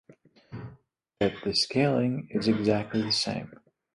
But the scaling is exactly the same.